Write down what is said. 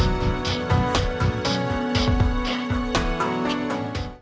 tetapi saya tetap berusaha untuk menjalankan proses persidangan